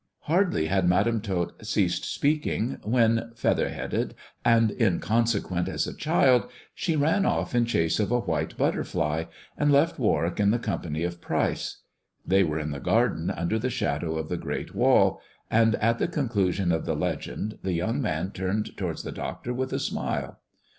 Hardly had Madam Tot ceased speaking when, feather headed and inconsequent as a child, she ran off in chase of a white butterfly, and left Warwick in the company of Pryce. They were in the garden under the shadow of the THE dwarf's chamber 39 great wall, and at the conclusion of the legend the .young man turned towards the doctor with a smile.